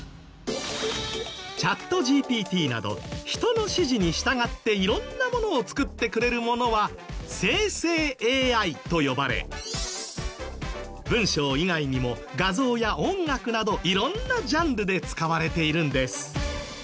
チャットＧＰＴなど人の指示に従って色んなものを作ってくれるものは生成ＡＩと呼ばれ文章以外にも画像や音楽など色んなジャンルで使われているんです。